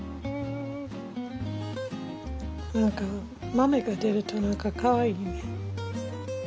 何か豆が出ると何かかわいいね。